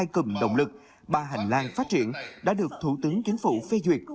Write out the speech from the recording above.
hai cầm động lực ba hành lang phát triển đã được thủ tướng chính phủ phê duyệt